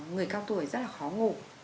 người cao tuổi rất là khó ngủ